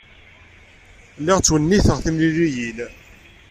Lliɣ ttwenniteɣ timliliyin.